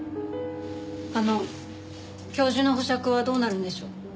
あの教授の保釈はどうなるんでしょう？